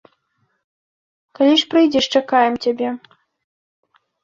Калі ж прыйдзеш, чакаем цябе.